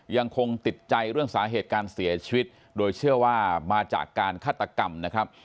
ยังคงติดใจเรื่องสาเหตุการเสียชีวิตโดยเชื่อว่ามาจากการฆาตกรรมนะครับ